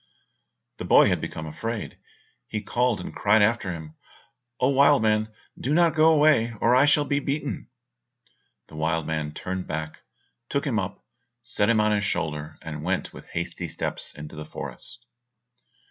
The boy had become afraid; he called and cried after him, "Oh, wild man, do not go away, or I shall be beaten!" The wild man turned back, took him up, set him on his shoulder, and went with hasty steps into the forest.